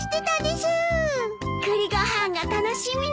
栗ご飯が楽しみね。